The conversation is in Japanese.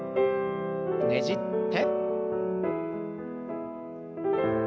ねじって。